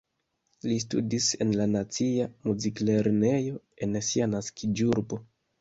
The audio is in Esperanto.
Li studis en la nacia muziklernejo en sia naskiĝurbo.